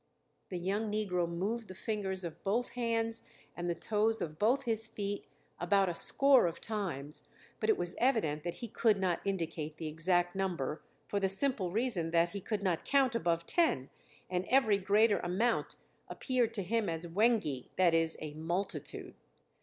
The young negro moved the fingers of both hands and the toes of both his feet about a score of times, but it was evident that he could not indicate the exact number for the simple reason that he could not count above ten and every greater amount appeared to him as "wengi," that is, a multitude.